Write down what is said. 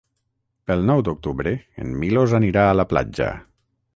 El nou d'octubre en Milos anirà a la platja.